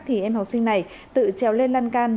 thì em học sinh này tự treo lên lan can